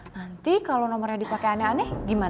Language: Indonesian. nanti kalo nomornya dipake aneh aneh gimana